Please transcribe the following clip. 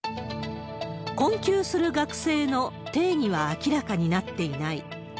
困窮する学生の定義は明らかになっていない。